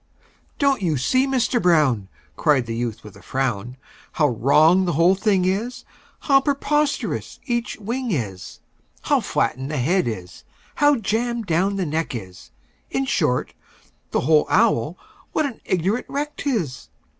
"Don't you see, Mister Brown," Cried the youth, with a frown, "How wrong the whole thing is, How preposterous each wing is, How flattened the head is, how jammed down the neck is In short, the whole owl, what an ignorant wreck 't is!